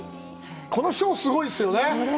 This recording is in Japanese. このショー、すごいですよね。